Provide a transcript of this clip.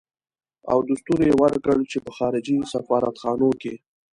او دستور يې ورکړ چې په خارجي سفارت خانو کې.